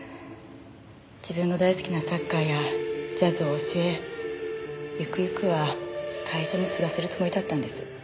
自分の大好きなサッカーやジャズを教えゆくゆくは会社も継がせるつもりだったんです。